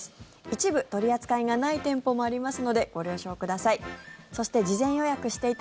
一部取り扱いがない店舗もありますのでご了承ください。